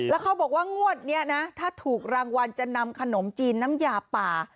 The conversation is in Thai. แล้วเขาบอกว่างวดนี้นะถ้าถูกรางวัลจะนำขนมจีนน้ำยาป่า